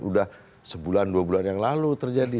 sudah sebulan dua bulan yang lalu terjadi